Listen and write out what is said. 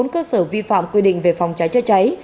một mươi bốn cơ sở vi phạm quy định về phòng cháy cháy cháy